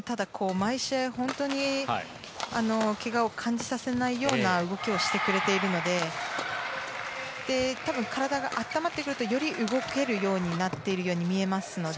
毎試合けがを感じさせないような動きをしてくれているので多分、体が温まってくるとより動けるようになっているように見えますので。